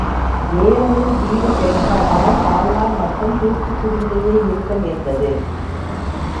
ஏரலில் வீடு கிடைக்காததால் தாயார் மட்டும் தூத்துக்குடியிலேயே இருக்க நேர்ந்தது.